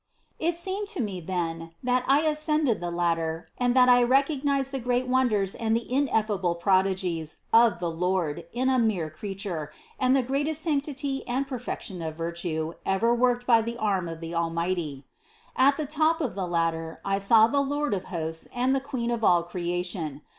It seemed to me then, that I ascended the ladder and that I recognized the great wonders and the ineffable prodigies of the Lord in a mere Creature and the greatest sanctity and perfec tion of virtue ever worked by the arm of the Almighty. At the top of the ladder I saw the Lord of hosts and the Queen of all creation.